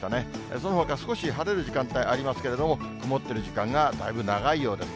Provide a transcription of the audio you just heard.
そのほか少し晴れる時間帯ありますけれども、曇っている時間がだいぶ長いようです。